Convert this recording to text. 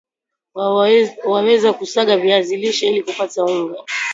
waweza kusaga viazi lishe ili kupata unga